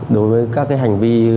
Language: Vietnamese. đối với các hành vi